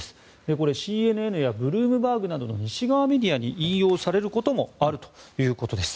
これ、ＣＮＮやブルームバーグなどの西側メディアに引用されることもあるということです。